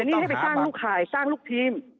นี่ให้ไปสร้างลูกข่ายสร้างลูกทีม